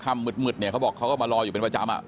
คำหมึดเขาบอกเขาก็มารออยู่เป็นประจำ